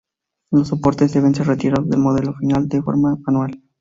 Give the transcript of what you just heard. Los soportes deben ser retirados del modelo final de forma manual.